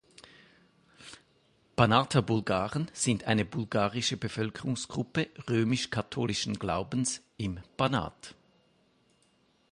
Banater Bulgaren sind eine bulgarische Bevölkerungsgruppe römisch-katholischen Glaubens im Banat.